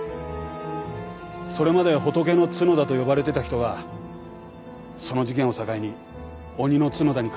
それまで「仏の角田」と呼ばれてた人はその事件を境に「鬼の角田」に変わったんです。